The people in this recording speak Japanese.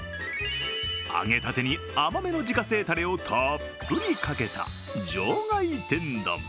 揚げたてに甘めの自家製たれをたっぷりかけた場外天丼。